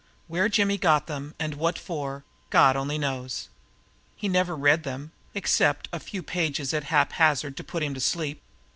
Where Jimmy got them and what for, God only knows. He never read them, except a few pages at haphazard to put him to sleep.